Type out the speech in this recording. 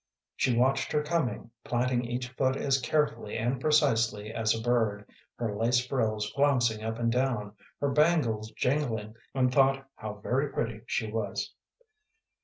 She watched her coming, planting each foot as carefully and precisely as a bird, her lace frills flouncing up and down, her bangles jingling, and thought how very pretty she was.